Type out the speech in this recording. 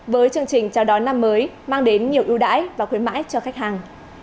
với chương trình chào đón năm mới mang đến nhiều ưu đãi và khuyến mãi cho khách hàng